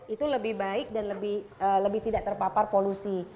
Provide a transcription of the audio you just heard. itu lebih baik dan lebih tidak terpapar polusi